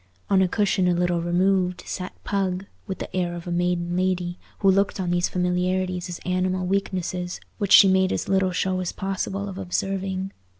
On a cushion a little removed sat Pug, with the air of a maiden lady, who looked on these familiarities as animal weaknesses, which she made as little show as possible of observing.